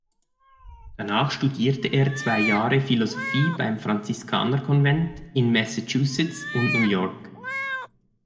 Danach studierte er zwei Jahre Philosophie beim Franziskaner-Konvent in Massachusetts und New York.